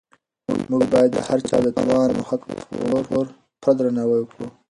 موږ باید د هر چا د توان او حق پوره درناوی وکړو.